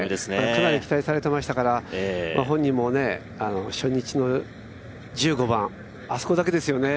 かなり期待されていましたから、本人も初日の１５番あそこだけですよね。